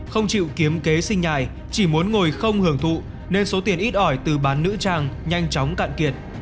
không chịu kiếm kế sinh nhài chỉ muốn ngồi không hưởng thụ nên số tiền ít ỏi từ bán nữ trang nhanh chóng cạn kiệt